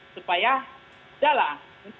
supaya ya lah